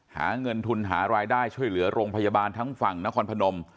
หาเงินทุนหารายได้ช่วยเหลือโรงพยาบาลทั้งฝั่งนครพนม